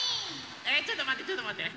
えちょっとまってちょっとまって。